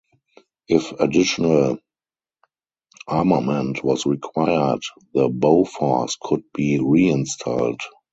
If additional armament was required, the Bofors could be reinstalled.